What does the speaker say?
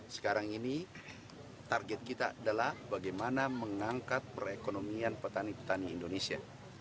sekarang ini target kita adalah bagaimana mengangkat perekonomian petani petani indonesia